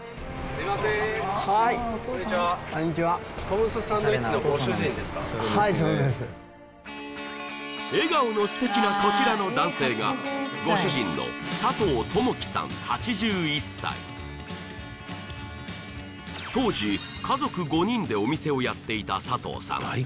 こんにちはこんにちは笑顔の素敵なこちらの男性がご主人の佐藤友紀さん８１歳当時家族５人でお店をやっていた佐藤さん